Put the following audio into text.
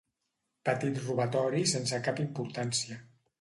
Petit robatori sense cap importància.